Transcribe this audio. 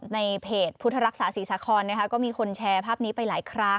ในเพจพุทธรักษาศรีสาครก็มีคนแชร์ภาพนี้ไปหลายครั้ง